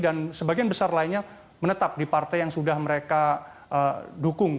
dan sebagian besar lainnya menetap di partai yang sudah mereka dukung